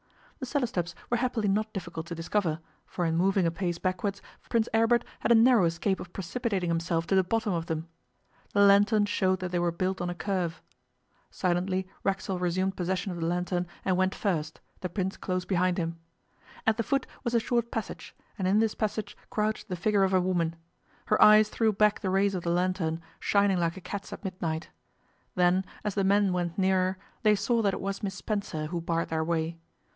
The cellar steps were happily not difficult to discover, for in moving a pace backwards Prince Aribert had a narrow escape of precipitating himself to the bottom of them. The lantern showed that they were built on a curve. Silently Racksole resumed possession of the lantern and went first, the Prince close behind him. At the foot was a short passage, and in this passage crouched the figure of a woman. Her eyes threw back the rays of the lantern, shining like a cat's at midnight. Then, as the men went nearer, they saw that it was Miss Spencer who barred their way.